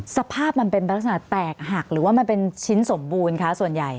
สภาพมันเป็นลักษณะแตกหักหรือว่ามันเป็นชิ้นสมบูรณ์คะส่วนใหญ่